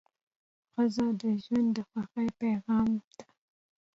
ښځه د ژوند د خوښۍ پېغام ده.